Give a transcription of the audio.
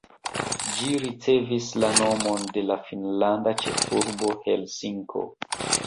Ĝi ricevis la nomon de la finnlanda ĉefurbo Helsinko.